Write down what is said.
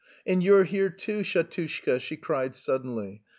"And you're here, too, Shatushka!" she cried suddenly.